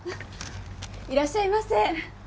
いらっしゃいませ。